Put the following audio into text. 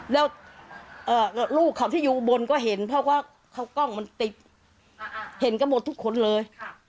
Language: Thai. แล้วลูกเขาที่อยู่บนก็เห็นเพราะว่าเขากล้องมันติดเห็นกันหมดทุกคนเลย